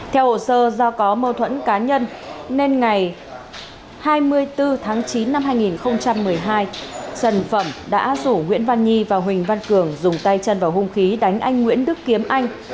theo hồ sơ do có mâu thuẫn cá nhân nên ngày hai mươi bốn tháng chín năm hai nghìn một mươi hai trần phẩm đã rủ nguyễn văn nhi và huỳnh văn cường dùng tay chân vào hung khí đánh anh nguyễn đức kiếm anh